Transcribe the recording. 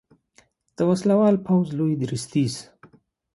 د وسلوال پوځ لوی درستیز